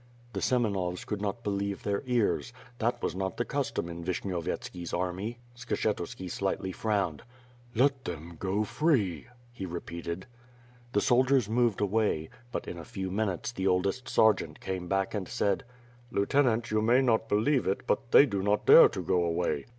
The Semenovs could not believe their ears; that was not the custom in Vishnyovyetski's army. Skshetuski slightly frowned. "Let them go free," he repeated. The soldiers moved away, but in a few minutes the oldest sergeant came back and said: "Lieutenant, you may not believe it, but they do not dare to go away."